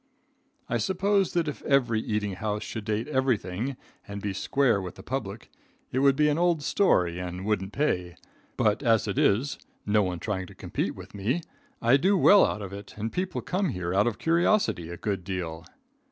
"I suppose that if every eating house should date everything, and be square with the public, it would be an old story and wouldn't pay; but as it is, no one trying to compete with me, I do well out of it, and people come here out of curiosity a good deal.